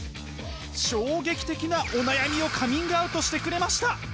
衝撃的なお悩みをカミングアウトしてくれました。